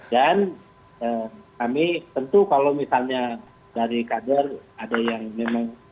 dan kami tentu kalau misalnya dari kader ada yang memang